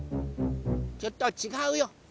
ちょっとちがうよ。